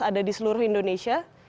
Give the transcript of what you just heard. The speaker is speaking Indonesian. ada di seluruh indonesia